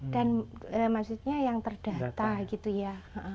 dan maksudnya yang terdata